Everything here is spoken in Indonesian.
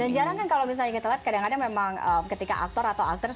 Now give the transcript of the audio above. dan jarang kan kalau misalnya kita lihat kadang kadang memang ketika aktor atau aktris